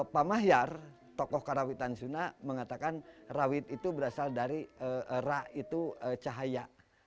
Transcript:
pak mahyar tokoh karawitan suna mengatakan rawit itu berasal dari ra itu cahaya